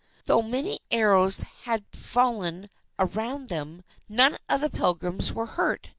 Though many arrows had fallen around them, none of the Pilgrims were hurt.